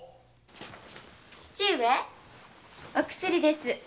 父上お薬です。